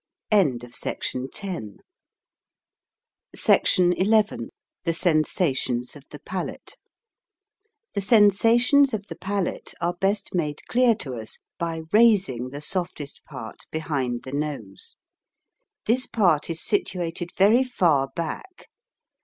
SECTION XI THE SENSATIONS OF THE PALATE THE sensations of the palate are best made clear to us by raising the softest part behind the nose. This part is situated very far back.